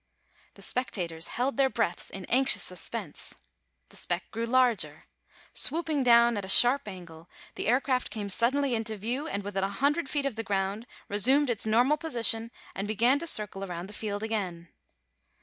The spectators held their breaths in anxious suspense. The speck grew larger. Swooping down at a sharp angle the aircraft came suddenly into view and within a hundred feet of the ground resumed its normal position and began to circle around the field again.